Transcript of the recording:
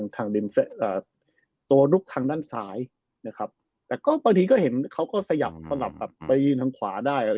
ตัวลุกทางด้านซ้ายนะครับแต่ก็บางทีก็เห็นเขาก็สยับสลับแบบไปยืนทางขวาได้